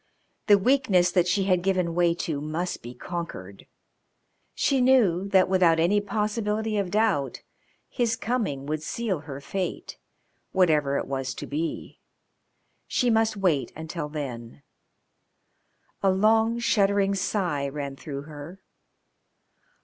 The weakness that she had given way to must be conquered. She knew that, without any possibility of doubt, his coming would seal her fate whatever it was to be. She must wait until then. A long, shuddering sigh ran through her.